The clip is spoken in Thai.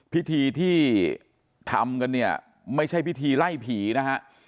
พิธีที่ทำกันเนี่ยไม่ใช่พิธีไล่ผีนะฮะ